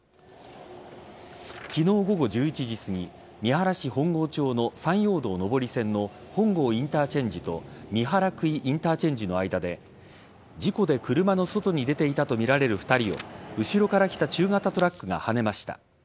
昨日午後１１時すぎ三原市本郷町の山陽道上り線の本郷インターチェンジと三原久井インターチェンジの間で事故で車の外に出ていたとみられる２人を後ろから来た中型トラックがはねました。